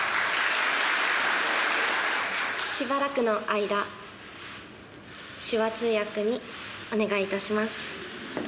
しばらくの間、手話通訳にお願いいたします。